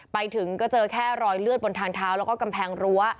ไปถึงก็เจอแค่รอยเลือดบนทางเท้าแล้วก็กำแพงรั้ว